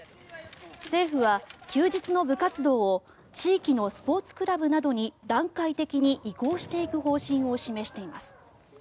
政府は休日の部活動を地域のスポーツクラブなどに段階的に移行していく方針を示しています。